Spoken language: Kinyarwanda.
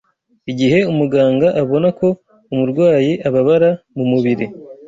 Igihe umuganga abona ko umurwayi ababara mu mubiri